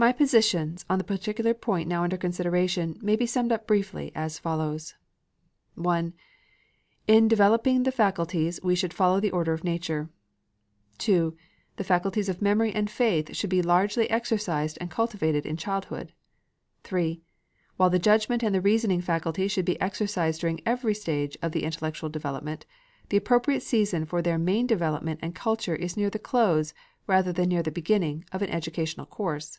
My positions on the particular point now under consideration may be summed up briefly, as follows: 1. In developing the faculties, we should follow the order of nature. 2. The faculties of memory and faith should be largely exercised and cultivated in childhood. 3. While the judgment and the reasoning faculty should be exercised during every stage of the intellectual development, the appropriate season for their main development and culture is near the close, rather than near the beginning, of an educational course.